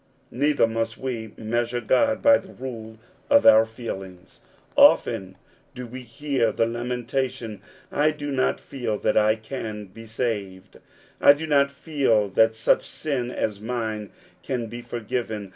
Neither must we measure God by the rule of our feelings. Often do we hear the lamentation —" I do not feel that I can be saved. I do not feel that such sin as mine can be forgiven.